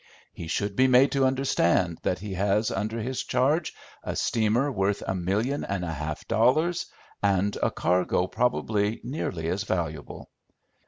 He should be made to understand that he has under his charge a steamer worth a million and a half of dollars, and a cargo probably nearly as valuable.